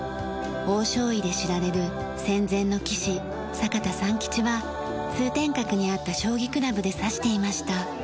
王将位で知られる戦前の棋士坂田三吉は通天閣にあった将棋クラブで指していました。